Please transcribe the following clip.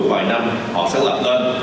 vài năm họ sẽ lập lên